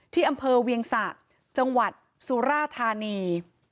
ที่อำเภอเวียงสะจังหวัดสุราธานี